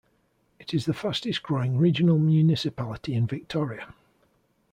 It is the fastest growing regional municipality in Victoria.